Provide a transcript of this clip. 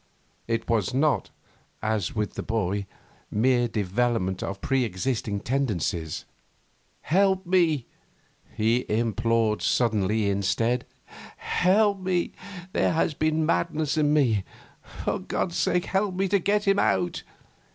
It was not, as with the boy, mere development of pre existing tendencies. 'Help me,' he implored suddenly instead, 'help me! There has been madness in me. For God's sake, help me to get him out!